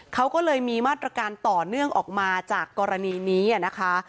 เขาก็เลยมีมาตรการต่อเนื่องออกมาจากกรณีนี้นะคะ